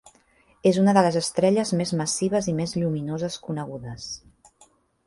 És una de les estrelles més massives i més lluminoses conegudes.